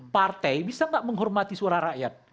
partai bisa nggak menghormati suara rakyat